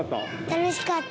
楽しかった。